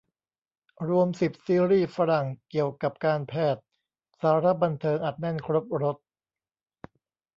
รวม สิบ ซีรีส์ฝรั่งเกี่ยวกับการแพทย์ สาระ บันเทิง อัดแน่นครบรส